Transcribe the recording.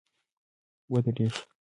ودرېږه !